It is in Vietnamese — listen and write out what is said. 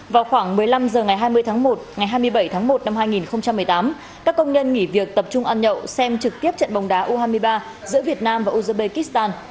vào khoảng một mươi năm h ngày hai mươi tháng một ngày hai mươi bảy tháng một năm hai nghìn một mươi tám các công nhân nghỉ việc tập trung ăn nhậu xem trực tiếp trận bóng đá u hai mươi ba giữa việt nam và uzbekistan